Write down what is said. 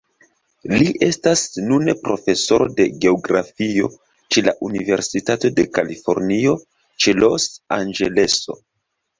Li estas nune Profesoro de Geografio ĉe la Universitato de Kalifornio ĉe Los-Anĝeleso.